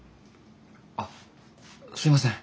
あっすみません。